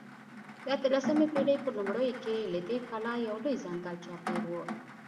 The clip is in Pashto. د اتلسمې پېړۍ په لومړیو کې له دې کلا یو لوی ځنګل چاپېر و.